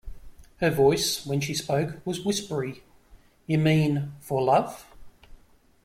Her voice, when she spoke, was whispery: "You mean — for love?"